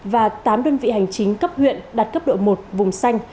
và tám đơn vị hành chính cấp huyện đạt cấp độ một vùng xanh